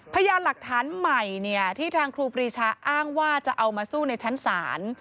พยานหลักฐานใหม่ที่ทางครูปรีชาอ้างว่าจะเอามาสู้ในชั้นศาล